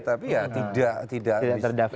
tapi ya tidak terdaftar